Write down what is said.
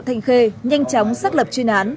thu thập được của năm vụ án